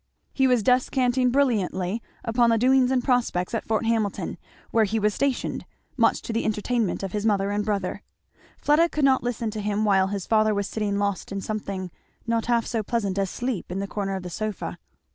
He was descanting brilliantly upon the doings and prospects at Fort Hamilton where he was stationed, much to the entertainment of his mother and brother. Fleda could not listen to him while his father was sitting lost in something not half so pleasant as sleep in the corner of the sofa.